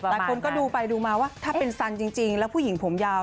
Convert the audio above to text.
หลายคนก็ดูไปดูมาว่าถ้าเป็นสันจริงแล้วผู้หญิงผมยาว